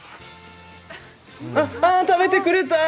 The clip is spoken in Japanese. ああ食べてくれた！